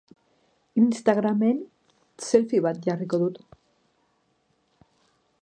Instagramen selfie bat jarriko dut.